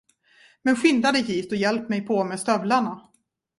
Men skynda dig hit och hjälp mig på med stövlarna.